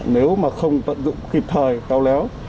nếu mà không tận dụng kịp thời cao léo